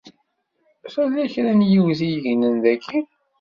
Tella kra n yiwet i yegnen daki.